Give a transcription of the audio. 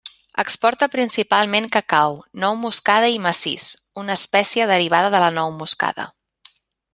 Exporta principalment cacau, nou moscada i macís, una espècia derivada de la nou moscada.